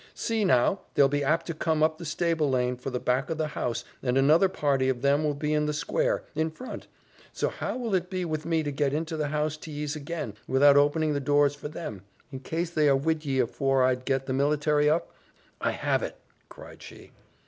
"See, now, they'll be apt to come up the stable lane for the back o' the house, and another party of them will be in the square, in front; so how will it be with me to get into the house to yees again, without opening the doors for them, in case they are wid ye afore I'd get the military up? I have it," cried she.